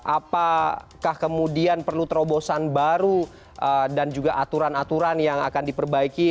apakah kemudian perlu terobosan baru dan juga aturan aturan yang akan diperbaiki